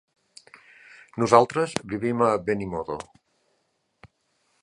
Nosaltres vivim a Benimodo.